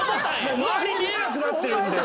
周り見えなくなってるんで。